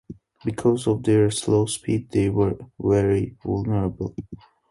Because of their slow speed, they were very vulnerable.